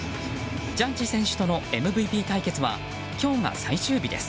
ジャッジ選手とのＭＶＰ対決は今日が最終日です。